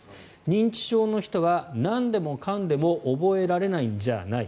認知症の人はなんでもかんでも覚えられないんじゃない。